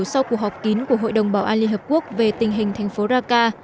sau cuộc họp kín của hội đồng bảo an liên hợp quốc về tình hình thành phố raka